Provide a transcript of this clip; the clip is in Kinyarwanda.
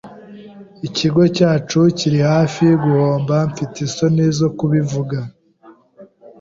Ikigo cyacu kiri hafi guhomba, mfite isoni zo kubivuga.